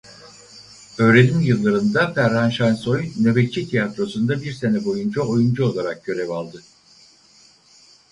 Öğrenim yıllarında Ferhan Şensoy "Nöbetçi Tiyatrosu"nda bir sene boyunca oyuncu olarak görev aldı.